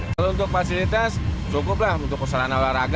kalau untuk fasilitas cukup lah untuk persanaan olahraga